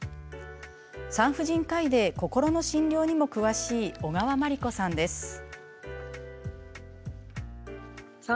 産婦人科医で心の診療にも詳しい小川真里子さんです。